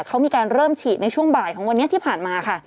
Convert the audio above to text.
เขามีการเริ่มฉีดในช่วงบ่ายของวันนี้ที่ผ่านมาค่ะ